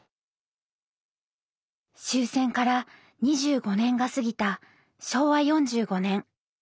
終戦から２５年が過ぎた昭和４５年。